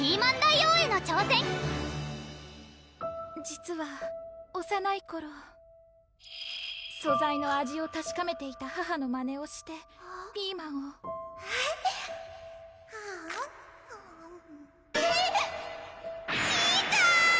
実はおさない頃素材の味をたしかめていた母のまねをしてピーマンを苦い！